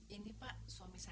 ini pak suami saya